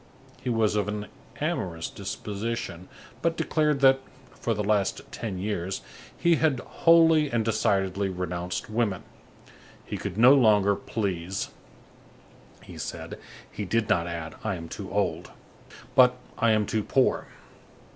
He was of an amorous disposition, but declared that, for the last ten years, he had wholly and decidedly renounced women. He could no longer please, he said; he did not add: "I am too old," but: "I am too poor."